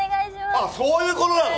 あっ、そういうことなの！？